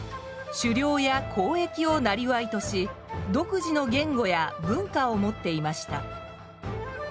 狩猟や交易をなりわいとし独自の言語や文化を持っていました。